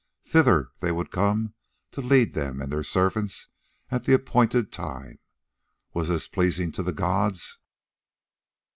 Thither they would come to lead them and their servants at the appointed time. Was this pleasing to the gods?